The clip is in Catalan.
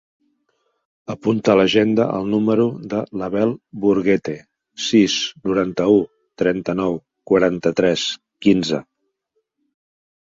Apunta a l'agenda el número de l'Abel Burguete: sis, noranta-u, trenta-nou, quaranta-tres, quinze.